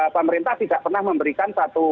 pemerintah tidak pernah memberikan